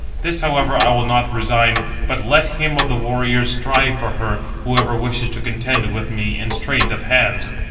This, however, I will not resign, but let him of the warriors strive for her, whoever wishes to contend with me in strength of hands."